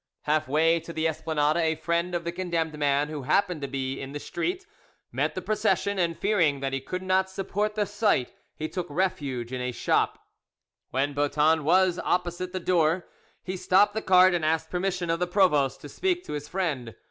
Half way to the Esplanade a friend of the condemned man, who happened to be in the street, met the procession, and fearing that he could not support the sight, he took refuge in a shop. When Boeton was opposite the door, he stopped the cart and asked permission of the provost to speak to his friend.